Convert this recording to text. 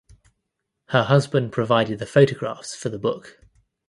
Her husband provided the photographs for the book.